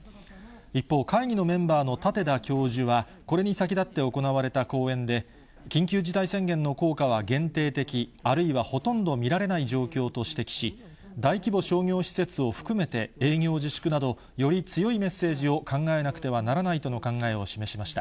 一方、会議のメンバーの舘田教授は、これに先立って行われた講演で、緊急事態宣言の効果は限定的、あるいはほとんど見られない状況と指摘し、大規模商業施設を含めて営業自粛など、より強いメッセージを考えなくてはならないとの考えを示しました。